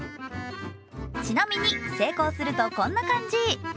ちなみに成功するとこんな感じ。